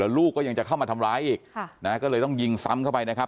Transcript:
ลูกก็ยังจะเข้ามาทำร้ายอีกก็เลยต้องยิงซ้ำเข้าไปนะครับ